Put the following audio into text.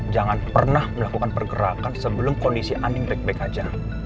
jangan pernah melakukan pergerakan sebelum kondisi anding baik baik aja